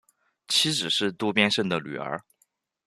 妻子是渡边胜的女儿。